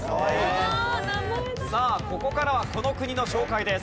さあここからはこの国の紹介です。